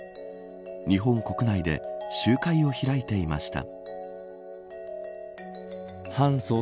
日本国内で集会を開いていました。